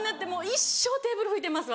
一生テーブル拭いてます